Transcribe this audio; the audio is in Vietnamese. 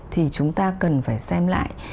thì chúng ta cần phải xem lại